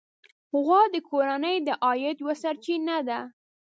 غوا د کورنۍ د عاید یوه سرچینه ده.